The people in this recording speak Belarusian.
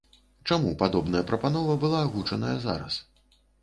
Чаму падобная прапанова была агучаная зараз?